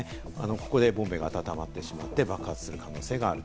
ここでボンベが温まってしまって爆発する可能性がある。